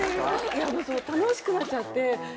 いや楽しくなっちゃって。